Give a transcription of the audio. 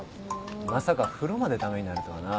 まさか風呂まで駄目になるとはな。